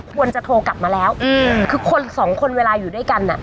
ควรจะโทรกลับมาแล้วคือคนสองคนเวลาอยู่ด้วยกันอ่ะ